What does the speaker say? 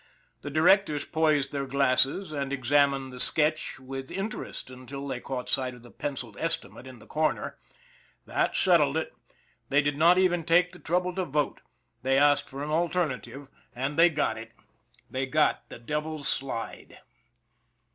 The directors poised their glasses and examined the sketch with interest until they caught sight of the penciled estimate in the corner. That settled it. They did not even take the trouble to vote. They asked for an alternative and they got it. They got the Devil's Slide.